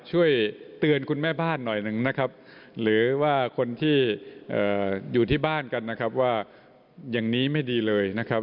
ช่วยเตือนคุณแม่บ้านหน่อยหนึ่งนะครับหรือว่าคนที่อยู่ที่บ้านกันนะครับว่าอย่างนี้ไม่ดีเลยนะครับ